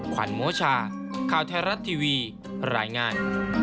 ขวัญโมชาข่าวไทยรัฐทีวีรายงาน